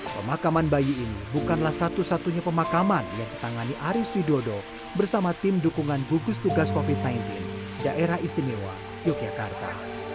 pemakaman bayi ini bukanlah satu satunya pemakaman yang ditangani aris widodo bersama tim dukungan gugus tugas covid sembilan belas daerah istimewa yogyakarta